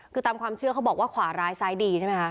คือตามความเชื่อเขาบอกว่าขวาร้ายซ้ายดีใช่ไหมคะ